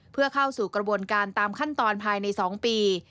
เพื่อเข้าสู่กระบวนการตามขั้นตอนภายใน๒ปี